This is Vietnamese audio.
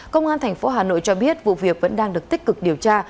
công an thành phố hà nội cho biết vụ việc vẫn đang được tích cực điều tra